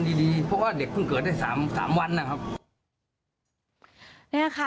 ติดตัดอีก๓วัน